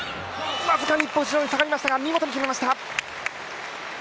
僅かに一歩下がりましたが、見事に決めました。